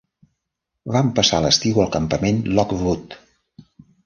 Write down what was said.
Van passar l'estiu al campament Lockwood.